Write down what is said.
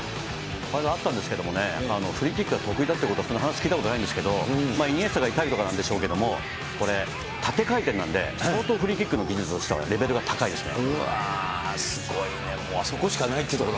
この間、会ったんですけどね、フリーキックが得意だってこと、そんな話聞いたことないんですけど、イニエスタがいたりしたからでしょうけどこれ、縦回転なんで、相当フリーキックの技術としてはレベルが高いですね。